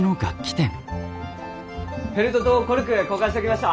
フェルトとコルク交換しときました。